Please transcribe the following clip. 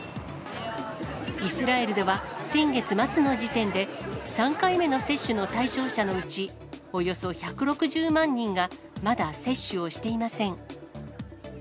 イスラエルでは、先月末の時点で、３回目の接種の対象者のうち、およそ１６０万人がまだ接種をしていません。